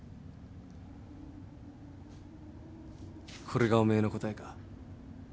これがおめえの答えか？